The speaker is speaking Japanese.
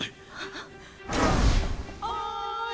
おい！